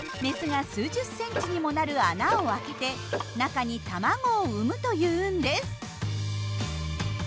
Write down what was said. メスが数十センチにもなる穴を開けて中に卵を産むというんです。